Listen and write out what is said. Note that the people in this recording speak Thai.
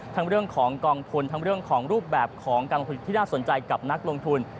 เรื่องของกองทุนทั้งเรื่องของรูปแบบของกองทุนที่น่าสนใจกับนักลงทุน